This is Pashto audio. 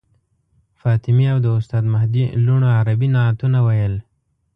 فاطمې او د استاد مهدي لوڼو عربي نعتونه ویل.